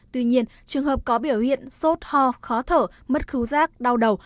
tuy nhiên trường hợp có biểu hiện sốt ho khó thở mất khứ rác đau đầu